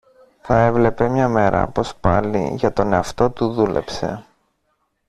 θα έβλεπε μια μέρα πως πάλι για τον εαυτό του δούλεψε